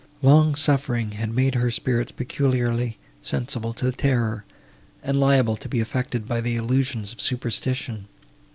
Long suffering had made her spirits peculiarly sensible to terror, and liable to be affected by the illusions of superstition.